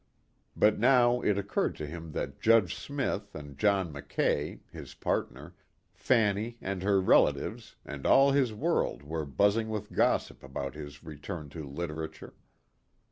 But now it occurred to him that Judge Smith and John Mackay, his partner, Fanny and her relatives and all his world were buzzing with gossip about his return to literature.